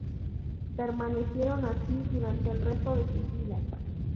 Permanecieron así durante el resto de sus vidas.